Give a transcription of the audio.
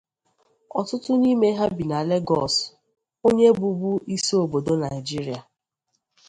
Ọtụtụ n’ime ha bi na Legọs, onye bụbu isi obodo Naịjirịa.